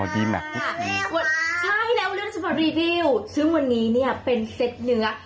ใช่แล้วเรื่องส่วนรีวิวซึ่งวันนี้เป็นเซ็ตเนื้อ